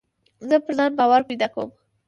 زه پر ځان باور پیدا کوم.